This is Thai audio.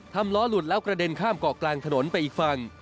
ล้อหลุดแล้วกระเด็นข้ามเกาะกลางถนนไปอีกฝั่ง